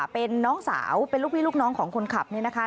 เป็นน้องสาวเป็นลูกพี่ลูกน้องของคนขับนี่นะคะ